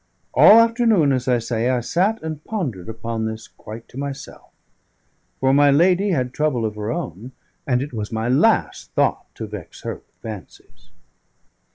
All afternoon, as I say, I sat and pondered upon this quite to myself; for my lady had trouble of her own, and it was my last thought to vex her with fancies.